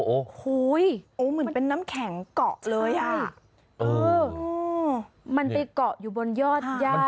โอ้โหเหมือนเป็นน้ำแข็งเกาะเลยอ่ะเออมันไปเกาะอยู่บนยอดย่า